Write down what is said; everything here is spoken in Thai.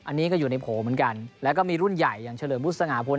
อันนี้ก็อยู่ในโผล่เหมือนกันแล้วก็มีรุ่นใหญ่อย่างเฉลิมบุษงาพล